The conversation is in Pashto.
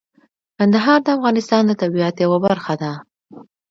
کندهار د افغانستان د طبیعت یوه برخه ده.